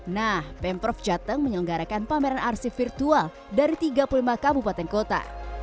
nah pemprov jateng menyelenggarakan pameran arsip virtual dari tiga puluh lima kabupaten kota